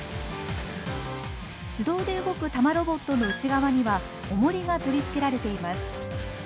手動で動く玉ロボットの内側にはおもりが取り付けられています。